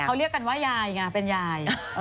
เขาเรียกกันว่ายายไงเป็นยาย